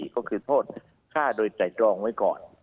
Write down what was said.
ก็คือโฆษณ์ฆ่าโดยใจจองอย่างก่อน